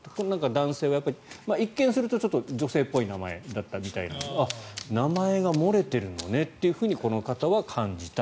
男性は一見すると女性っぽい名前だったみたいですが名前が漏れてるんだねとこの方は感じたと。